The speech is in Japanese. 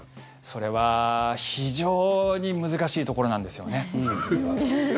それは非常に難しいところなんですよね。